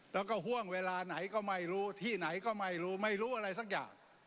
แล้วก็ห่วงเวลาไหนก็ไม่รู้ที่ไหนก็ไม่รู้ไม่รู้อะไรสักอย่าง